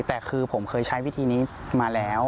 แต่คือผมเคยใช้วิธีนี้มาแล้ว